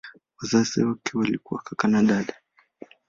Wazazi wake walikuwa kaka na dada.